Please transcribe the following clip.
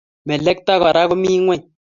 Melekto Kora ko mi ngweny